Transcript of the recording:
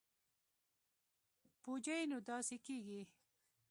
پوجي نو داسې کېږي.